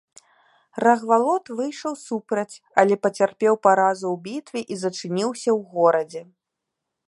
Рагвалод выйшаў супраць, але пацярпеў паразу ў бітве і зачыніўся ў горадзе.